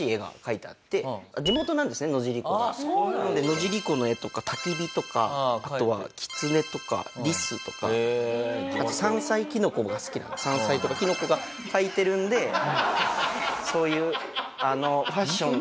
野尻湖の絵とかたき火とかあとはキツネとかリスとかあと山菜キノコが好きなので山菜とかキノコが描いてるんでそういうあのファッションファッション？